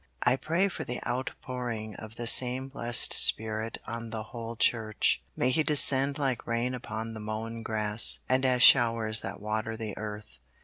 I pray for the outpouring of the same blessed Spirit on the whole Church. May He descend like rain upon the mown grass, and as showers that water the earth.